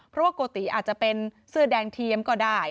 เพราะว่าโกติอาจจะเป็นเสื้อแดงเทียมก็ได้